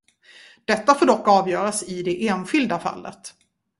Detta får dock avgöras i det enskilda fallet.